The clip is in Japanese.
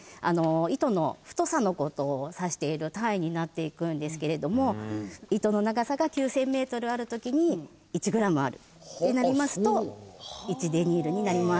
糸の太さの事を指している単位になっていくんですけれども糸の長さが９０００メートルある時に１グラムあるってなりますと１デニールになります。